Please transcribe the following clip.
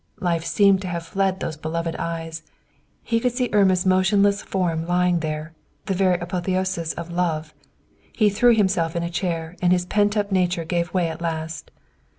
Life seemed to have fled those beloved eyes; he could see Irma's motionless form lying there, the very apotheosis of Love. He threw himself in a chair, and his pent up nature gave way at last.